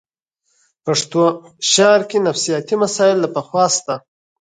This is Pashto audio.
پښتو شعر کې نفسیاتي مسایل له پخوا شته